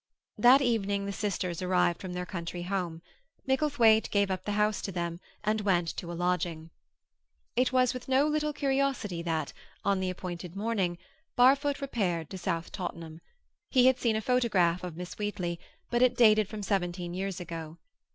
That evening the sisters arrived from their country home. Micklethwaite gave up the house to them, and went to a lodging. It was with no little curiosity that, on the appointed morning, Barfoot repaired to South Tottenham. He had seen a photograph of Miss Wheatley, but it dated from seventeen years ago.